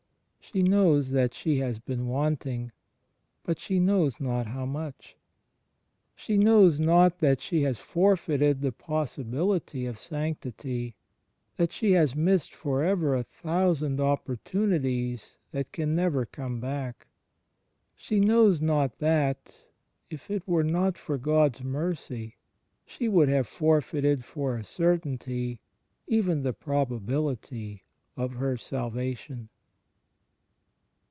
She knows that she has been wanting; but she knows not how much. She knows not that she has forfeited the possi bility of sanctity, that she has missed for ever a thou sand opportunities that can never come back: she knows not that, if it were not for God's mercy, she I20 THE FRIENDSHIP OF CHRIST would have forfeited for a certainty even the proba bility of her salvation.